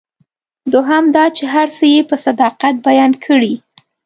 دوهم دا چې هر څه یې په صداقت بیان کړي.